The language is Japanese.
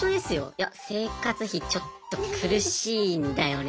いや生活費ちょっと苦しいんだよね。